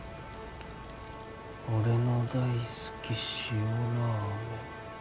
俺の大好き塩ラーメン